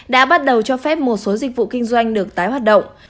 đã bắt đầu cho phép một số dịch vụ kinh doanh được tái hoạt động